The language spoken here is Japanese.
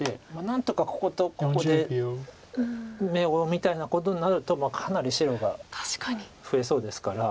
何とかこことここで眼をみたいなことになるとかなり白が増えそうですから。